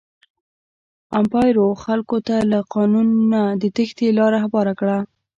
امپارو خلکو ته له قانونه د تېښتې لاره هواره کړه.